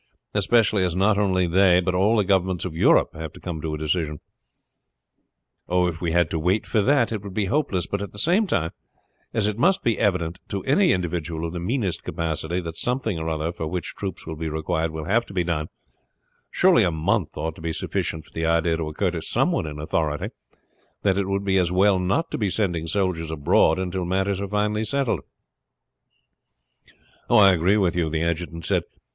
Especially, as not only they, but all the governments of Europe have to come to a decision." "Oh, if we had to wait for that it would be hopeless; but at the same time, as it must be evident to any individual of the meanest capacity that something or other for which troops will be required will have to be done, surely a month ought to be sufficient for the idea to occur to some one in authority that it would be as well not to be sending soldiers abroad until matters are finally settled." "I agree with you," the adjutant said.